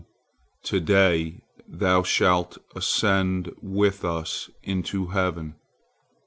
to day thou shalt ascend with us into heaven.